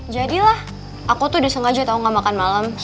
jadilah aku tuh udah sengaja tau gak makan malam